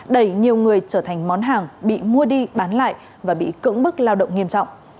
đẩy nhiều người trở thành món hàng bị mua đi bán lại và bị cưỡng bức lao động nghiêm trọng